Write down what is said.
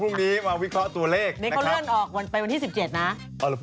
พรุ่งนี้มาวิเคราะห์ตัวเลขนะครับ